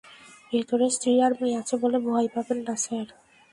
ভেতরে স্ত্রী আর মেয়ে আছে বলে ভয় পাবেন না স্যার।